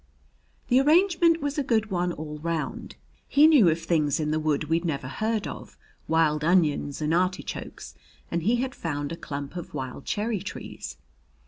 The arrangement was a good one all round. He knew of things in the wood we'd never heard of wild onions and artichokes, and he had found a clump of wild cherry trees.